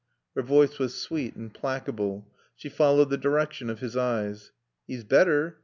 Her voice was sweet and placable. She followed the direction of his eyes. "'E's better.